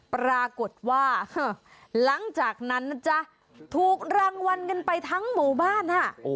ปรากฏว่าหลังจากนั้นนะจ๊ะถูกรางวัลกันไปทั้งหมู่บ้านค่ะ